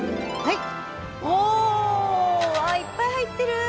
いっぱい入ってる。